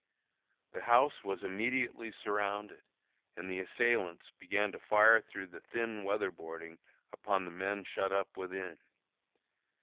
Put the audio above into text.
The house was immediately surrounded and the assailants began to fire through the thin weather boarding upon the men shut up within.